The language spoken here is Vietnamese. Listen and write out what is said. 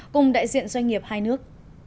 cùng đại diện doanh nghiệp hai nước